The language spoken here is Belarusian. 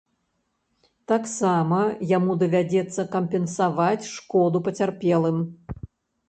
Таксама яму давядзецца кампенсаваць шкоду пацярпелым.